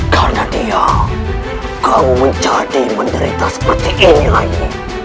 karena dia kamu menjadi menderita seperti ini lagi